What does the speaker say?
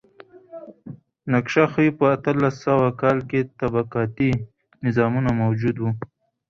نقشه ښيي په اتلس سوه کال کې طبقاتي نظامونه موجود و.